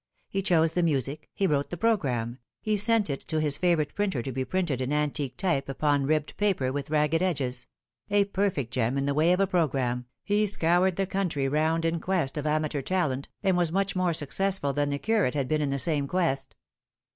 He chose the music, he wrote the programme, he sent it to his favourite printer to be printed in antique type upon ribbed paper with ragged edges : a perfect gem in the way of a programme. He scoured the country round in quest of amateur talent, and was much more successful than the curate had been in the same quest.